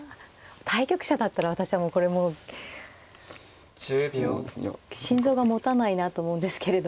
対局者だったら私はもうこれもう心臓がもたないなと思うんですけれど。